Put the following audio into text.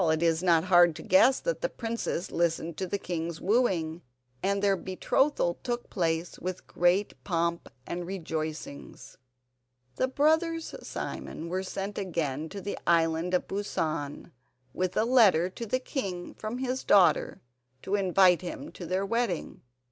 It is not hard to guess that the princess listened to the king's wooing, and their betrothal took place with great pomp and rejoicings. The brothers Simon were sent again to the Island of Busan with a letter to the king from his daughter to invite him to their wedding.